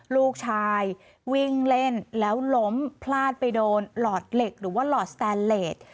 ลูกชายวิ่งเล่นแล้วล้มพลาดไปโดนหลอดเหล็กหรือว่าหลอดสแตนเลส